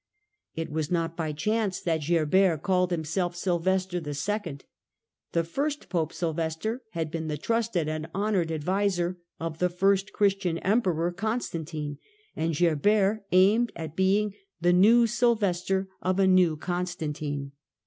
It was not by chance that Gerbert called himself Sylvester II. The first Pope Sylvester had been the trusted and honoured adviser of the first Christian Emperor Constantine, and Gerbert aimed at being "the new Sylvester of a new Constantine."